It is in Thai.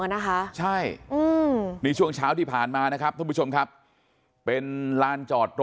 นะคะใช่นี่ช่วงเช้าที่ผ่านมานะครับท่านผู้ชมครับเป็นลานจอดรถ